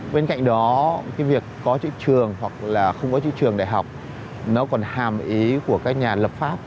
bên cạnh đó cái việc có những trường hoặc là không có những trường đại học nó còn hàm ý của các nhà lập pháp